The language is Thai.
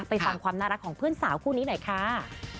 ฟังความน่ารักของเพื่อนสาวคู่นี้หน่อยค่ะ